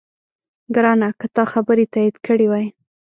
ګرانه! که تا خبرې تایید کړې وای،